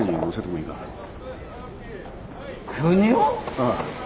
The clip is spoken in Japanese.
ああ。